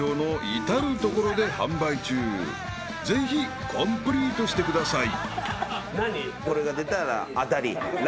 ［ぜひコンプリートしてください］